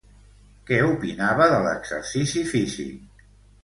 Què opinava de l'exercici físic?